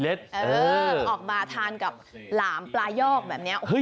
ออกมาทานกับหลามปลายอกแบบนี้